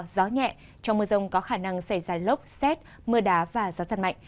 gió nhẹ trong mưa rông có khả năng xảy ra lốc xét mưa đá và gió giật mạnh